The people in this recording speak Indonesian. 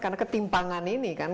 karena ketimpangan ini kan